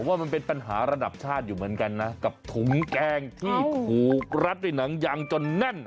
ว่ามันเป็นปัญหาระดับชาติอยู่เหมือนกันนะกับถุงแกงที่ถูกรัดด้วยหนังยางจนแน่น